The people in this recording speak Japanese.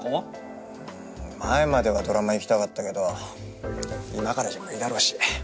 うん前まではドラマ行きたかったけど今からじゃ無理だろうしね。